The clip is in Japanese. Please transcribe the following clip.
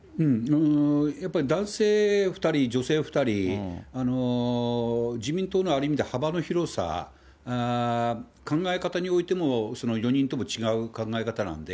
やっぱり男性２人女性２人、自民党のある意味で幅の広さ、考え方においてもその４人とも違う考え方なんで、